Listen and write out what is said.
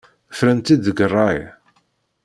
Fran-tt-id deg ṛṛay.